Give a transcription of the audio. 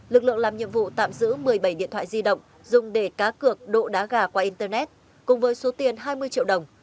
lực lượng làm nhiệm vụ tạm giữ một mươi bảy điện thoại di động dùng để cá cược độ đá gà qua internet cùng với số tiền hai mươi triệu đồng